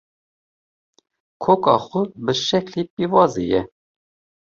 Koka xwe bi şeklê pîvazê ye